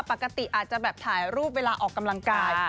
ปกติอาจจะแบบถ่ายรูปเวลาออกกำลังกาย